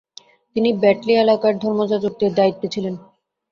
তিনি ব্যাটলি এলাকায় ধর্মযাজকের দায়িত্বে ছিলেন।